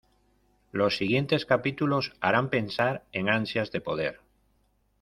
Los siguientes capítulos harán pensar en ansias de poder.